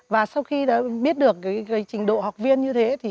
và sau khi đã biết được trình độ học viên như thế